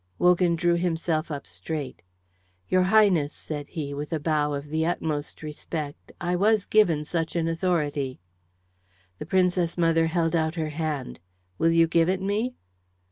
Wogan drew himself up straight. "Your Highness," said he, with a bow of the utmost respect, "I was given such an authority." The Princess mother held out her hand. "Will you give it me?"